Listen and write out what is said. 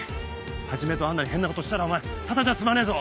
始とアンナに変なことしたらお前ただじゃ済まねえぞ！